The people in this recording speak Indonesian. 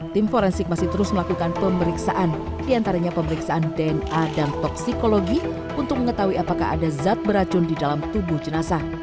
tim forensik masih terus melakukan pemeriksaan diantaranya pemeriksaan dna dan toksikologi untuk mengetahui apakah ada zat beracun di dalam tubuh jenazah